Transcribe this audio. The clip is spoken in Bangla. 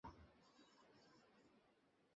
তা নাহলে আমি এসেছি কেন?